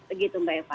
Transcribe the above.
begitu mbak eva